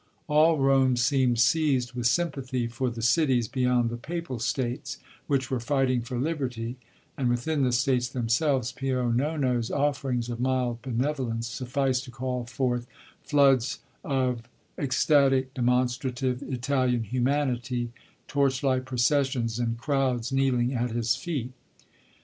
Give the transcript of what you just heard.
All Rome seemed seized with sympathy for the cities beyond the Papal states, which were fighting for liberty, and within the states themselves Pio Nono's offerings of mild benevolence sufficed to call forth "floods of ecstatic, demonstrative Italian humanity, torchlight processions, and crowds kneeling at his feet."